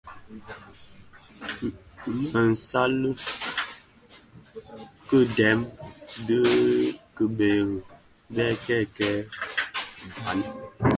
Më isal ki dèm dhi kibëri bè kèkèè ndhaň.